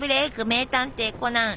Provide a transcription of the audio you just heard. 「名探偵コナン」